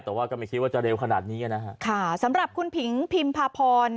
แต่ว่าก็ไม่คิดว่าจะเร็วขนาดนี้นะฮะค่ะสำหรับคุณผิงพิมพาพร